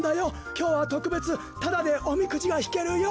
きょうはとくべつタダでおみくじがひけるよ。